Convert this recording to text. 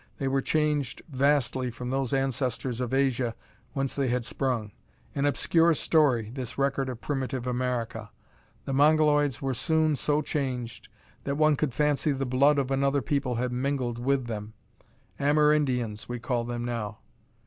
They were changed vastly from those ancestors of Asia whence they had sprung. An obscure story, this record of primitive America! The Mongoloids were soon so changed that one could fancy the blood of another people had mingled with them. Amerindians, we call them now.